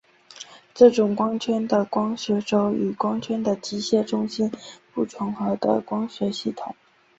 这种光圈的光学轴与光圈的机械中心不重合的光学系统。